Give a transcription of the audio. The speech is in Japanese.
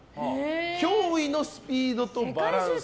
驚異のスピードとバランス。